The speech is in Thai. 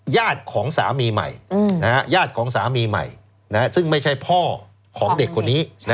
ญาติของสามีใหม่ซึ่งไม่ใช่พ่อของเด็กคนนี้